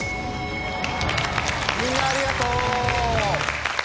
みんなありがとう！